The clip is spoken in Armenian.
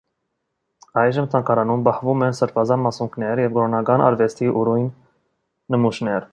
Այժմ թանգարանում պահվում են սրբազան մասունքներ և կրոնական արվեստի ուրույն նմուշներ։